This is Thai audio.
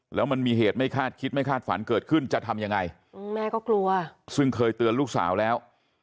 แล้วมันมีเหตุไม่คาดคิดไม่คาดฝันเกิดขึ้นจะทำยังไงแม่ก็กลัวซึ่งเคยเตือนลูกสาวแล้ว